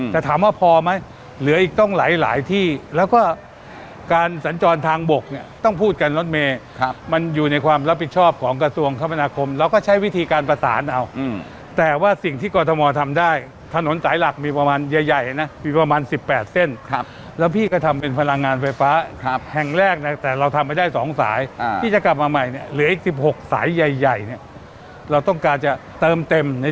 จะถามว่าพอไหมเหลืออีกต้องหลายที่แล้วก็การสัญจรทางบกเนี่ยต้องพูดกันรถเมฆมันอยู่ในความรับผิดชอบของกระทรวงคมนาคมเราก็ใช้วิธีการประสานเอาแต่ว่าสิ่งที่กฎมอล์ทำได้ถนนสายหลักมีประมาณใหญ่นะมีประมาณ๑๘เส้นแล้วพี่ก็ทำเป็นพลังงานไฟฟ้าแห่งแรกเนี่ยแต่เราทำไม่ได้๒สายพี่จะกลับมาใหม่เ